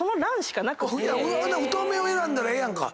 太めを選んだらええやんか。